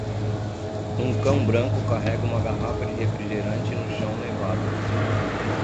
Um cão branco carrega uma garrafa de refrigerante no chão nevado.